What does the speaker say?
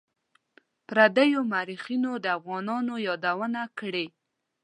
پردیو مورخینو د افغانانو یادونه کړې ده.